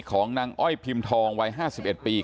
ของนางอ้อยพิมพ์ทองวัย๕๑ปี